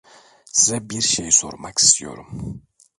Size bir şey sormak istiyorum.